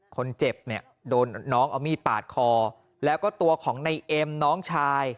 คนเจ็บเนี่ยโดนน้องเอามีดปาดคอแล้วก็ตัวของในเอ็มน้องชาย